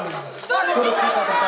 untuk kita berkata